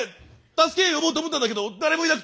助けを呼ぼうと思ったんだけど誰もいなくて！